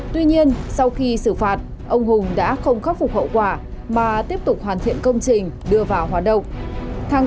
tuy nhiên sau khi xử phạt ông hùng đã không khắc phục hậu quả mà tiếp tục hoàn thiện công trình đưa vào hoạt động